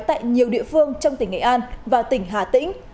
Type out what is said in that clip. tại nhiều địa phương trong tỉnh nghệ an và tỉnh hà tĩnh